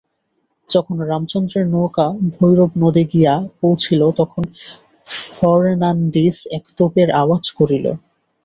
যখন রামচন্দ্রের নৌকা ভৈরব নদে গিয়া পৌছিল তখন ফর্নান্ডিজ এক তোপের আওয়াজ করিল।